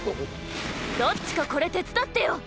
どっちかこれ手伝ってよ。